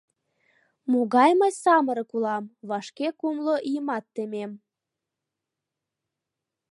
Могай мый самырык улам, вашке кумло ийымат темем.